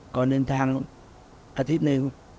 ก่อนแล้วเป็นทางอาทิตยุ๑